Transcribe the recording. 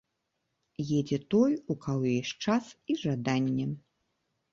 Едзе той, у каго ёсць час і жаданне.